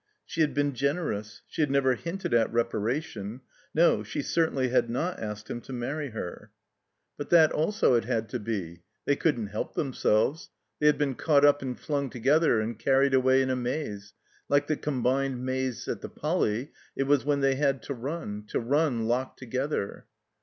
She had been generous. She had never hinted at reparation. No; she certainly bad not asked him to marry her, 991 THE COMBINED MAZE But that also had had to be. They cotildn't help themselves. They had been caught up and fltmg together and carried away in a maze; Uke the Com bined Maze at the Poly., it was, when they had to run — ^to run, locked together.